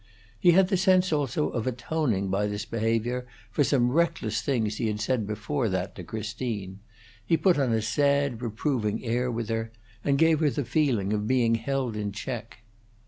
He had the sense also of atoning by this behavior for some reckless things he had said before that to Christine; he put on a sad, reproving air with her, and gave her the feeling of being held in check.